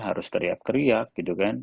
harus teriak teriak gitu kan